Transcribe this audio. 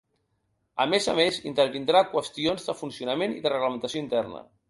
A més a més, intervindrà qüestions de funcionament i de reglamentació interna.